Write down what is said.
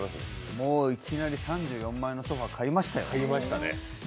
もういきなり３４万円のソファーを買いましたよ。